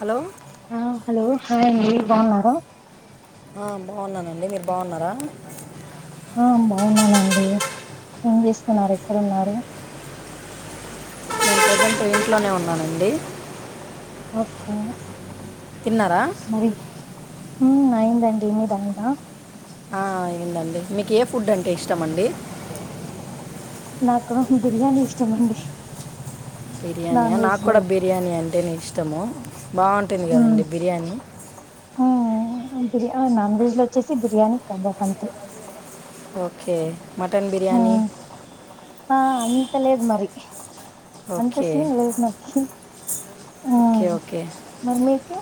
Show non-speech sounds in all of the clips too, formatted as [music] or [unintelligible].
Hello ఆ hello hi అండి బాగున్నార ఆ బాగున్నానండి మీరు బాగున్నారా ఆ బాగున్నానండి. ఏం చేస్తున్నారు, ఎక్కడున్నారు? నేను ప్రజెంట్ ఇంట్లోనే ఉన్నానండి ఓకే తిన్నరా మ్మ్ అయిందండి మీదైందా ఆ అయిదండి మీకు ఏ ఫుడ్ అంటే ఇష్టం అండి నాకు బిర్యానీ ఇష్టమండి బిర్యానీయా నాకు కూడ బిర్యానీ అంటేనే ఇష్టము. బాగుంటుంది కదండి బిర్యానీ హహ బిర్యానా నాన్ వెజ్ లో వచ్చేసి బిర్యానీ కబాబ్ అంతే ఓకే మటన్ బిర్యానీ తెల్లేదు మరి అంత ఓకే సిన్ లేదు నకి ఆ ఓకే ఓకే మరి మీకు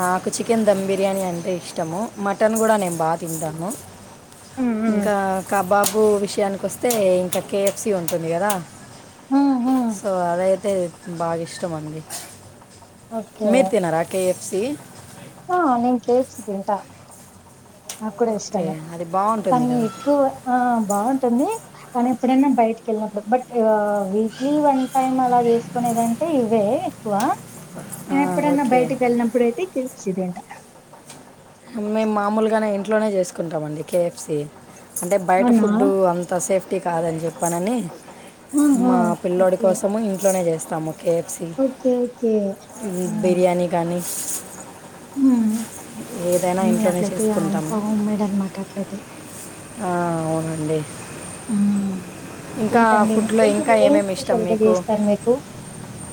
నాకు చికెన్ ధమ్ బిర్యానీ అంటే ఇష్టము మటన్ కూడా నేను బాగా తింటాను ఉమ్ ఉమ్ ఇంకా కబాబ్ గో విషయానికి వస్తే ఇంకా కే ఎఫ్ సి ఉంటుంది కదా ఉమ్ ఉమ్ సో అదే అంటే బాగా ఇష్టం అండి ఓకే మీరు తినరా కె ఎఫ్ సి సి ఆ నేను కే ఎఫ్ సి తింటా నాకు కూడా ఓకే ఇష్టమే అది బాగుంటుంది కానీ కదా ఎక్కువ ఆ బాగుంట ఉంది కానీ ఎప్పుడైనా బయటిక వెళ్ళినప్పుడు బట్ వీక్లీ వన్ టైమ్ అలా చేసుకునేదింటే ఇవే ఎక్కువ ఆ, ఎప్పుడన్నా ఓకే బయటకి వెళ్ళినప్పుడుయితే కె ఎఫ్ సి తింటా మేము మామూలుగానే ఇంట్లో ఇంట్లోనే చేసుకుంటామండి కే ఎఫ్ సి అంటే బయట అవునా? ఫుడ్డు అంత సేఫ్ అతి కాదని చెప్పానని ఆహా! మా పిల్లోడి ఓకే. కోసం ఇంట్లోనే చేస్తాం సమా K F C okay. Okay. ఉమ్ బిర్యానీ కానీ హుహ ఏదైనా అన్నీ ఇంట్లోనే అట్లయితే అంత చేసుకుంటాము హోమ్ మేడ్ అనమాట అట్లయితే ఆ అవునండి ఆ ఇంకా ఇంకేంటండి ఫుడ్లో ఇంకా వంటలలో ఏం ఏమేమి ఇష్టం స్పెషల్గా మీకు చేస్తారు మీకు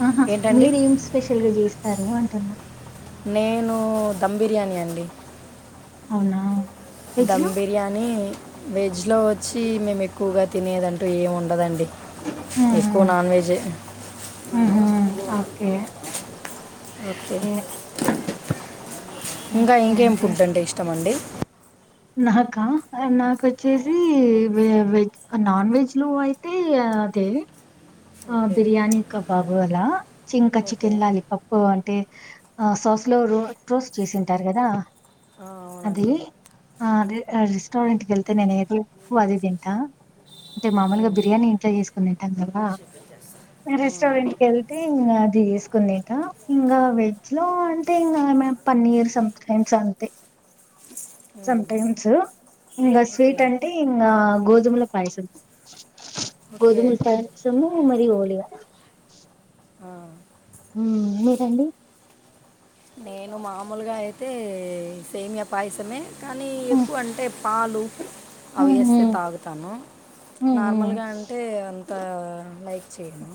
ఆహా ఏంటండి మీరు ఏం స్పెషల్ గా చేస్త సర్లే అంటున్నా నేను ధమ్ బిర్యానీ అండి అవునా ధమ్ వెజ్‌లో? బిర్యానీ వెజ్ లో చ్చి మేము ఎక్కువగా తినేదంటూ ఏమి ఉండదండి హ్మ్. ఎక్కువ హ్మ్. నాన్ వెెజ్ హే హుహు. ఓకే ఓకే ఇంకా ఓకే ఇంకేం అండి. ఫుడ్ అంటే ఇష్టమండి నాకా నాకుొచ్చేసి వె వెజ్ నాన్ వెజ్లు అయితే అదే ఆ ఓకే బిర్యానీ కబాబు అలా చింకా ఓకే చికెన్ లాలిపప్పు అంటే ఆ సాస్ లో రో రోస్ చేసింటారు కదా ఆ, అది అవునండి అదే రెస్టోరెంట్ గల్ త ననేది వ అది తింటా అంటే మామూలుగా ఉమ్, బిర్యానీ ఇంట్లో జేసుకుని తింటాం కదా ఉమ్, రెస్టారెంట్కి యెళ్తే ఇంగ అది జేసుకుంది అ ఇంగ వెజ్ లో అంటే ఇంగ ఏమేమ్ పన్నీర్ సటైమ్స్ అంతే సమ్ టైమ్స్ ఇంగ ఓకే స్వీట్ అంటే ఇకా గోధుమల పైస ఓకే గోధుములు పాయసము ఓలిగా ఆ మ్ మీరండి నేను మామూలుగా అయితే సేమ్య పాయసమే కానీ మ్మ్ ఎక్కువ అంటే పాలు అవి మ్మ్ వేస్తే తాగుతాను మ్మ్ మ్మ్ నార్మల్గా అంటే అంత లైక్ చేను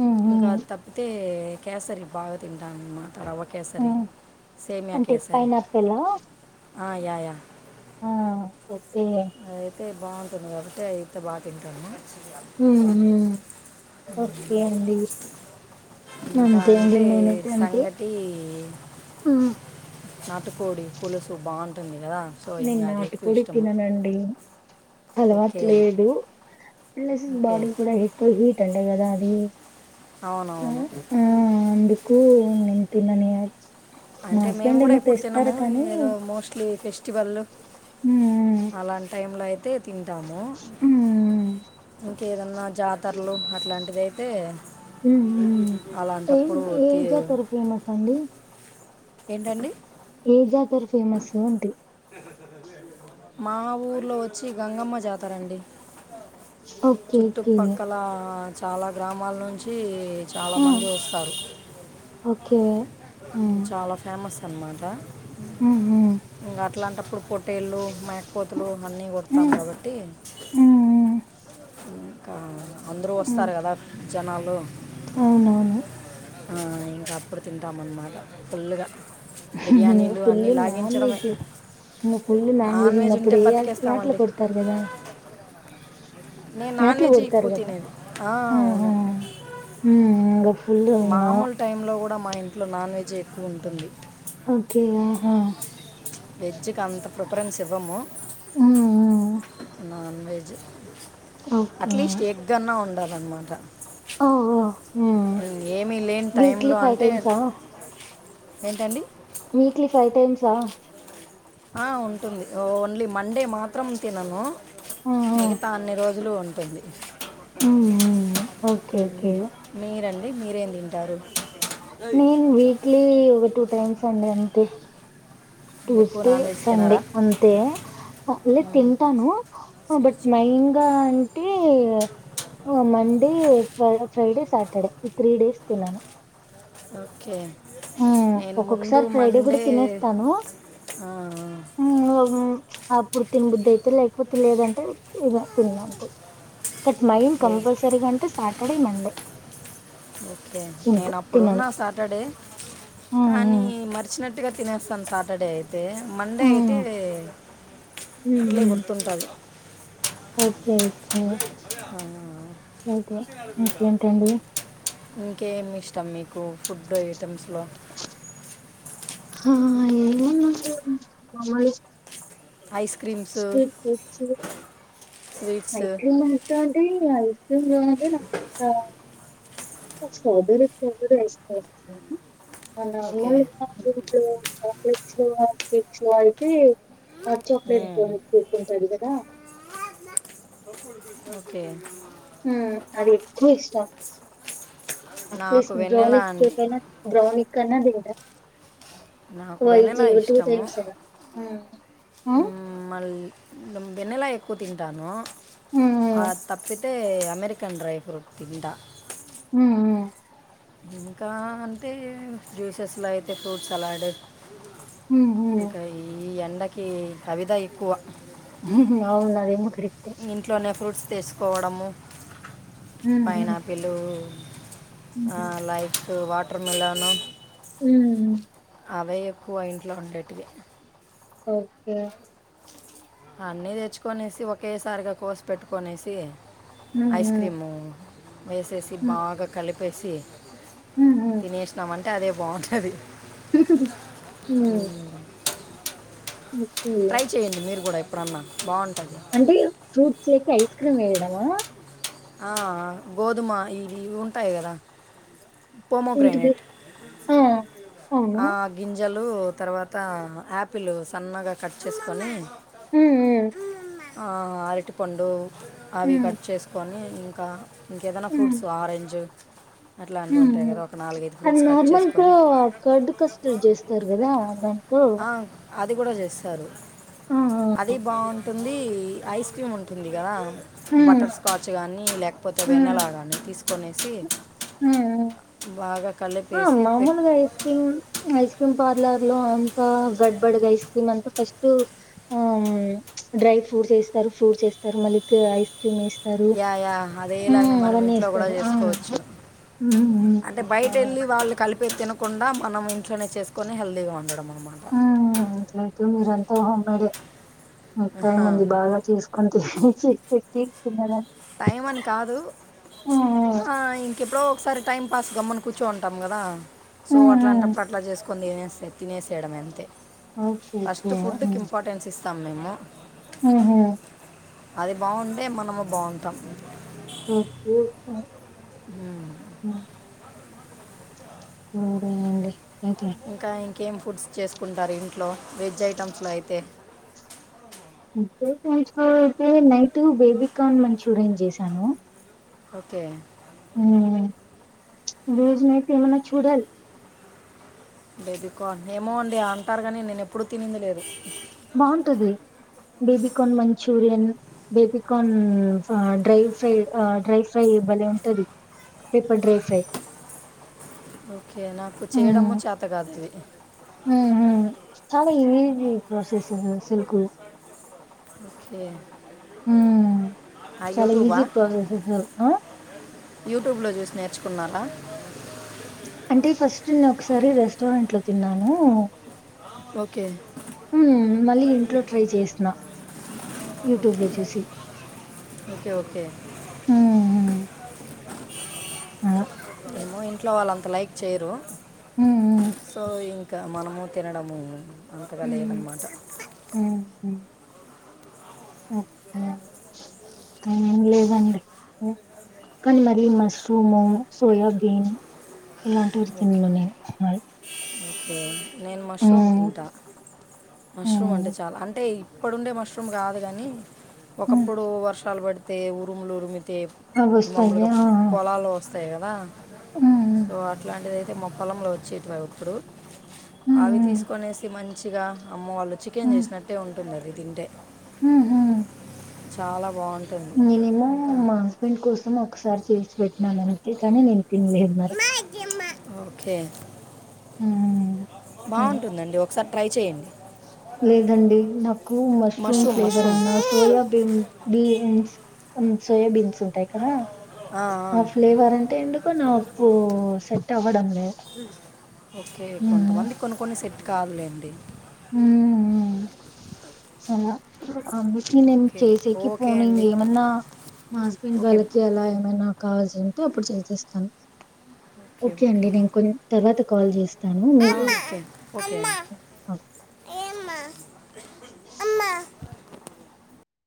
మ్మ్ ఇంక మ్మ్ అది తప్పితే కేసరి బాగ తింటాను రవ కేసరి మ్మ్ సేమ్యా అంటే కేసరి పైనాపిలా ఆ యా యా ఆ ఏ అయితే బాగుంటుంది గాబట్టి అయితే బాగా తింటాము మ్మ్ మ్మ్ ఓకే అండి ఇంకా అంతే అండి అంటే నేనైతే అంతే సంగటి మ్మ్ నాటుకోడి పులుసు బాగు ఇదా సో ఇంగా అదే ఎక్కువ ఇష్టము అలవాటు ఓకే లేదు ప్లస్ ఓకే బాడీ కూడా ఎక్కువ హీట్ అంట గదా అది అవునవును క్కువ నేనేం తినను అంటే మేము కూడా ఎప్పుడు తినము ఏదో మోస్ట్లీ ఫెస్ట్ స్టివల్లు ఉమ్ అలాంటి టైం లో అయితే తింటాము ఉమ్ ఏదన్నా జాతరలు అట్లాంటివి అయితే ఉమ్ ఏం అలాంటప్పుడు ఏ తి- జతర ఫేమస్ అండి ఏంటండి ఏజా తరు ఫేమస్సు అంటి మా ఊర్లో వచ్చి గంగమ్మ జతారండి ఓకే ఓకే చుట్టుపక్కల ఆ చాలా గ్రామాల నుంచి చాలా ఆ మంది వస్తారు ఓకే హు ఉమ్ చాలా ఫేమస్ తన మాట ఉమ్ ఉమ్ ఇంకా అట్లాంటప్పుడు కో పోటేలు మట్ పోతులు అన్నీ కొడతాం ఉమ్ కాబట్టి ఉమ్ ఇంకా అందరూ ఉమ్ వస్తారు కదా జనాలు అవునవును ఇంకా అప్పుడు తింటాం అనమా హుహ ఫుల్ అన్నీ నాన్ లాగించడమే వెెజ్ ఫుల్ నాన్ వెెజ్ ఇంకా వెజ్ ఉంటే అప్పుడే యాట్ యాటలు బతికేస్తామండి పెడతారు కదా నేను నాన్ యాట్లు వెజ్ పెడతారు ఎక్కువ గదా తినేది ఆ హా అవును ఆ ఇంకా మామూలు టైం లో కూడా కూడా మా ఇంట్లో నాన్ వెజ్ ఎక్కువ ఉంటుంది ఓకే ఆహా వెజ్ కి అంత ప్రిఫరెన్స్ ఇవ్వము ఉమ్ ఉమ్ నాన్ వెజ్ అట్లీస్ట్ ఎగ్గన్నా ఉండాలి రమ్మంటా ఓహు హా ఏమీ లేని వీక్లీ టైంలో ఫైవ్ అంటే టైమ్స్ ఆ ఏంటండి వీక్లీ ఫైవ్ టైమ్సా ఆ ఉంటుంది ఓన్లీ మండే మాత్రం తినను ఆ ఆ మిగతా అన్ని రోజు ల్ జ్లో ఉంటుంది ఓకే ఓకే మీరే తింటారు నేను వీక్లీ ఒక టూ టైమ్స్ అండి అ ంత ఎక్కువ ట్యూస్డే, నాన్ వెజ్ సండే తినరా అంతే అప్పుడే తింటాను బట్ మెయిన్ గా అం టే ఓమన్ డే ఫ్రైడే, సాటర్డే ఈ త్రీ డేస్ తినను ఓకే మ్ నేను ముందు ఒక్కొక్కసారి ఫ్రైడే కూడా మండే తినేస్తాను ఆ, అప్పుడు తినబుద్దు అయితే లేకపోతే లేదంటే ఇద తినను బట్ మైండ్ ఓకే కంపల్సరీగా అంటే సాటర్డే, మండే ఓకే ఉంట తినను ఆ ఆ మరీ మర్చి న్నట్టుగా తినేస్తాను సాటర్డే అయి తే మండే ఆ అయితే అట్లే ఉహు గుర్తుంటాది ఓకే ఓకే అవు అయితే ఇంకేంటండి ఇంకేమి ఇష్టం మీకు ఫుడ్ టెమ్స్లో హ ఏ ice creams street foods sweets ice cream ఐతే అండి ఐస్ క్రీమ్ చంటడి స్ట్రోబెర ఫ్వర్ ఐస్క్రీమ్ అ మూ ఓకే చట్ చిన్న ఇచ్చువైతే హాట్ చాక్లెట్ మ్మ్. కూర్కుంటాడు కదా ఓకే అది ఎక్కువ ఇష్టం నాకు అట్లీస్ట్ వెన్నెలా బ్రౌనిక్ అండి కేక్ అయినా బ్రౌనిక్ అయినా తింటా నాకు వెన్నెలా వీక్లీ టూ ఇష్టము టైమ్స్ అయినా ఉమ్ ఉమ్ మళ్ళీ ఇ వెన్నెల ఎక్కువ తింటాను హ్మ్ ఆ తప్పి తే అమెరికన్ డ్రై ఫ్రూట్ తింటా ఊఊ ఇంకా అంటే జ్యూసెస్లో అయితే ఫ్రూట్ సలాడు హ్మ్ ఇంకా హ్మ్ ఈ ఎన్ని నాకి అవిధా ఎక్కువ ఊహు అవునదేమో క ఇంట్లోనే ఫ్రూట్స్ తీసుకోవడము హ్మ్ హ్మ్. పైనాపిలు ఆ హ్మ్. లైఫ్ వాటర్ మెలను ఉ అవే ఎక్కువ ఇంట్లో ఉండేటివి ఓకే అన్నీ తెచ్చుకొనేసి ఒకేసారిగా కోసి పెట్టుకొనేసి హ్మ్ ఐస్ హ్మ్. క్రీము ఐసేసి హ్మ్. బాగా కలిపి పేసి హ్మ్ తినేషినమంటే ట్టదే బాంటది ఊ ఉ ట్రై చెయండి మీరు గూడా ప్పడన్నా బాగు అంటే ఫ్రూట్స్ చేకి ఐస్ క్రీమేడమా ఆ గోధుమ ఇది ఉంటాయి గదా పోమో ఏంటిది? గ్రనేట్ ఆ! అవును. ఆ గింజల్ లు తర్వాత యాపిల్ సన్నగా కట్ చేసుకొని హ్మ్ హ్మ్. అమ్మ ఆ అరటిపండు అవి హ్మ్. కట్ చేసుకొని ఇంకా ఇంకేదనా ఫ్రూట్సు ఆరంజ్ ఊ అది ఫ్రూట్స్ కట్ నార్మల్ త చేసుకొని కర్డు కస్టర్ చేస్తారు కదా దాంతో ఆ, అది కూడా చేస్తారు ఆ! ఆ! అదే బావు ఉంటుంది ఐస్ క్రీమ్ ఉంటుంది కదా హ్మ్. బటర్ స్కాచ్ కగానీ లేకపోతే హ్మ్. వెన్నెలాగానీ తీసు కొనేసి హ్మ్. హ్మ్. భగా ఆ మామూలుగా ice cream ice ice cream parlour లో అంతా గడ్బడగ ఐస్ క్రీమ్ అంతా ఫస్ట్ ఆ డ్రై ఫ్రూట్స్ వేస్తారు ఫ్రూట్స్ వేస్తారు మళ్ళకి ఐస్ క్రీమ్ ఏస్ స్తారు యా యా ఆ అదేలాగానే మనం అవన్నీ ఇంట్లో కూడా ఇస్తారు పెళ్ళి వాళ్ళు కలిపి తినకుండా మనం ఇంట్లోనే చేసుకొని హెల్దీగా ఉండడం అనమాట హ అట్ల అయితే మీరంతా హోమ్మేడే మిక్ టైమ్ ఉంది బాగా చేస్కొన్ తినేసి కేక్ తిన్నారా టైం అని కాదు ఆ ఇ ఇంకెప్పుడో ఒకసారి టైం పాస్ గమ్మని కూర్చో ఉంటాం కదా సో ఉమ్, ఉమ్, అట్లాంటప్పుడు అట్లా చేస్ కొన్ని తినేస్తే తినేసేయడం అంతే ఓకే ఓకే హా తమ్మిము హు హు అది బాగుండే మనము బా తమ్ [unintelligible] అ ఉ అదే అండి అయితే ఇంకా ఇ కేం ఫుడ్స్ చేసుకుంటారు ఇన్ ఇట్లో వెజ్ ఐటమ్స్లో అయితే డే టైమ్స్ అయితే నైట్ బేబీ కార్న్ మంచూరియన్ చేశాను ఓకే రోజ నతే మన చూడాల ఏమో అండి అంటారు కాని నేను ఎప్పుడు తినింది లేదు బాగుంటది బేబికన్ మం Manchurian baby corn dry fry dry fry భలే ఉంటది పెప్పర్ డ్రై ఫ్రై ఓకే నాకు చేయడము చేతగాదువి హ చాలా ఈజీ ప్రాసెస్ ఆశలకు ఇకే హ చాలా ఈజీ ప్రాసెస్ యూట్యూబ్లో చూసి నేర్చుకున్నారా అంటే ఫస్ట్ నేను ఒకసారి రెస్టారెంట్ లో తిన్నాను ఓకే హ మళ్ళీ ఇంట్లో ట్రై చేసిన యూట్యూబ్ లో చూసి ఓకే ఓకే హ ఏమో ఇంట్లో వాళ్ళంతా అంత లైక్ చేయరు హ్మ్ హ్మ్. సో ఇంకా మనము తినడము అంతగా ఉమ్ లేదన్నమాట ఉమ్ ఉమ్ ఓకే లేదండి కానీ మరి ముస్త్రోము సోయా తేనే ఇలాంటి రోజు తిన్నాను నేను ఆ నేను మష్రూమ్ ఉమ్ తింటా మష్రూమ్ అంటే ఉమ్ చాలా అంటే ఇప్పుడుండే మష్రూమ్ కాదు కానీ ఉమ్ ఒకప్పుడు వర్షాలు పడి తె ఉరుములు ఉరుమి తే అవి ములుగా వస్తాయా ఆ ఆ పోలాలో [unintelligible] కదా ఉమ్ సో అంటే అధిఅయితీ మా పొలంలో వచ్చేటివి అవి ఇప్పుడు అవి ఉమ్ తీసుకొనేసి మంచి చిగా అమ్మో వాళ్ళు చికెన్ ఉమ్ చేసినట్టే ఉంటుంది ఆది తింటే చాలా బాగుంటుంది మినిమం ఇంకా మా హస్బెండ్ కోసం ఒకసారి చేసిపెట్టినను అంతే కానీ నేను తినలే మరి ఓకే ఉమ్ అదే బాగుంటుందండి ఒకసారి ట్రై చేయండి లేదండి నాకు మష్రూమ్ ఫ్లేవర్ అన్నా సోయాబీన్ బీంస్ సోయాబీన్స్ ఉంటాయి కదా ఆ ఫ్లేవర్ అంటే ఎందుకు నాకు సెట్ అవ్వడం లేదు ఓకే డి హు హు ఉమ్ సమే హాట్ బిట్ చి నేను ఓకే చేసేకి ఓకే పోను అండి ఇంకేమన్నా మా హస్బెండ్ ఓకే వాళ్ళకి అలా ఏమైన్నా కావల్సి వెంటనే అప్పుడు చేసేస్తాను ఓకే అండి నేను కొన్ తర్వాత కాల్ చేస్త ఆ ఓకే ఓకే ఎమ్ అమ్మా అమ్మా